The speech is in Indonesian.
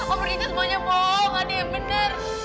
ada yang benar